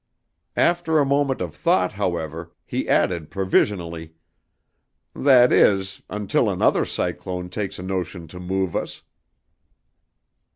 "After a moment of thought, however, he added provisionally: "'That is, until another cyclone takes a notion to move us.'"